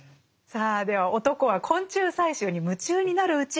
さあでは男は昆虫採集に夢中になるうち